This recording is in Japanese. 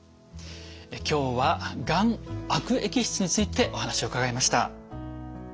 今日はがん悪液質についてお話を伺いました。